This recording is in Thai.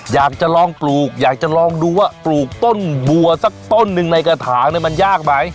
อยากจะลองปลูกอยากจะลองดูว่าปลูกต้นบัวสักต้นหนึ่งในกระถางมันยากไหม